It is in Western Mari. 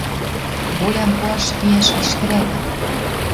Волям пуаш миӓш лишкӹрӓк!